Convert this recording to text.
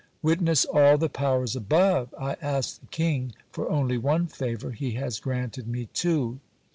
Witness all the powers above ! I asked the king for only one favour ; he has granted me two.